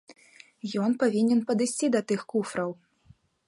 Ён павінен падысці да тых куфраў.